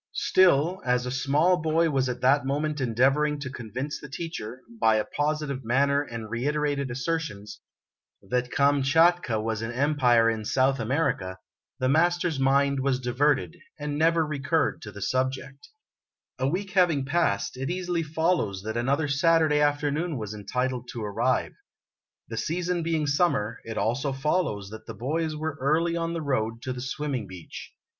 Still, as a small boy was at that moment endeavoring to convince the teacher, by a positive manner and reiterated asser tions, that Kamtchatka was an empire in South America, the mas ter's mind was diverted, and never recurred to the subject. LITTLE PLUNKETT'S ' COUSIN ' 161 A week having passed, it easily follows that another Saturday afternoon was entitled to arrive. The season beino summer, it also o follows that the boys were early on the road to the swimming beach.